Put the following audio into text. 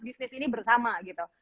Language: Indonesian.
bisnis ini bersama gitu